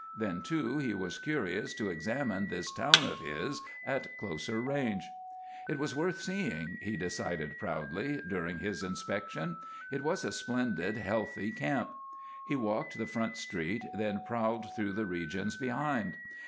Then, too, he was curious to examine this town of his at closer range. It was worth seeing, he decided proudly, during his inspection; it was a splendid, healthy camp. He walked the front street, then prowled through the regions behind.